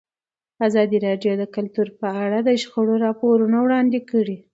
ازادي راډیو د کلتور په اړه د شخړو راپورونه وړاندې کړي.